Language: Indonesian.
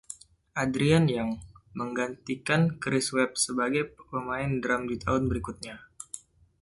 Adrian Young menggantikan Chris Webb sebagai pemain drum di tahun berikutnya.